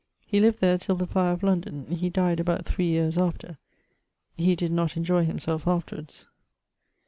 He lived there till the fire of London; he dyed about 3 yeares after he did not enjoy himselfe afterwards.